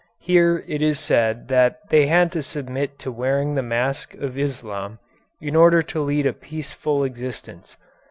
Here it is said that they had to submit to wearing the mask of Islam in order to lead a peaceful existence.